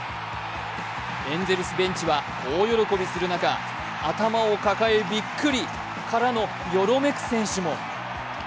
エンゼルスベンチは大喜びする中、頭を抱えびっくりからのよろめく選手も。